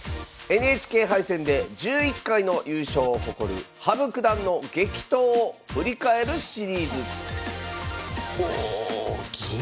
ＮＨＫ杯戦で１１回の優勝を誇る羽生九段の激闘を振り返るシリーズ